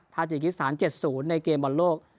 ทาจิกิสถาน๗๐ในเกมบอลโลก